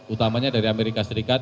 utamanya dari amerika serikat